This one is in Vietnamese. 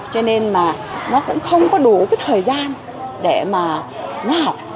cho nên mà nó cũng không có đủ cái thời gian để mà nó học